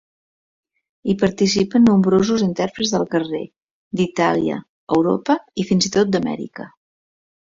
Hi participen nombrosos intèrprets de carrer d'Itàlia, Europa i fins i tot d'Amèrica.